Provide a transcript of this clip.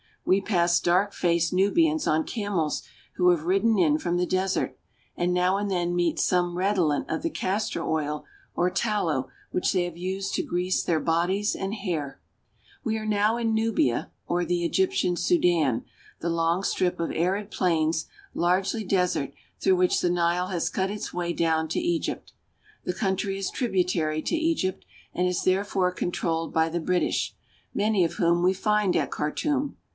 We pass dark faced Nubians on camels whc ^^B have ridden in from the desert, and now and then mee ^^^Bsome redolent of the castor oil or tallow which they have ^^^Hused to grease their bodies and hair. f "... dark faced Nubians on camels ,.," M Ii6 We are now in Nubia, or the Egyptian Sudan, the long! strip of arid plains, largely desert, through which the Nile I has cut its way down to Egypt. The country is tributary to Egypt, and is therefore controlled by the British, many of whom we find at Khartum.